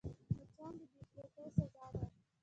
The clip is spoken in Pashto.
مچان د بې احتیاطۍ سزا ده